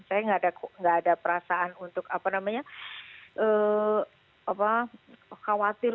saya nggak ada perasaan untuk apa namanya khawatir